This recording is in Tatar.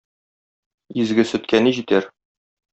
Изге сөткә ни җитәр!..